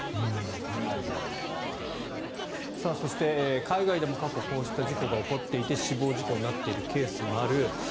そして、海外でも過去こうした事故が起こっていて死亡事故になっているケースもある。